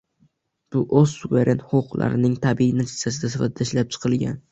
Bu o’z suveren huquqlarining tabiiy natijasi sifatida ishlab chiqilgan